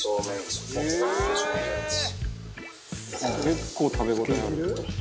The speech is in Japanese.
「結構食べ応えある」